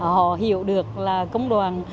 họ hiểu được là công đoàn